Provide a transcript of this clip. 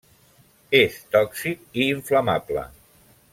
És tòxic i inflamable.